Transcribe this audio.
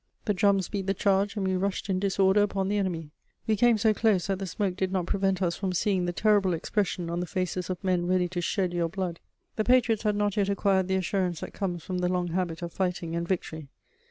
The drums beat the charge, and we rushed in disorder upon the enemy. We came so close that the smoke did not prevent us from seeing the terrible expression on the faces of men ready to shed your blood. The patriots had not yet acquired the assurance that comes from the long habit of fighting and victory.